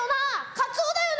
カツオだよな？